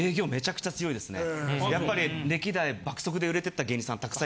やっぱり歴代爆速で売れてった芸人さん